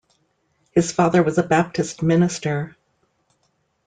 His father was a Baptist minister.